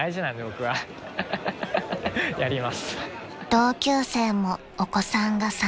［同級生もお子さんが３人］